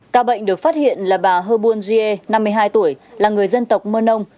ca bệnh được phát hiện là bà hơ buôn gie năm mươi hai tuổi là người dân tộc mơ nông